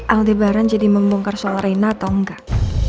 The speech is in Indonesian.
aldebaran jadi membongkar sel rena atau enggak